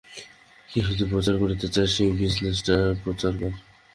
কিছু যদি প্রচার করতেই চাস, এই বিজনেসটা প্রচার কর।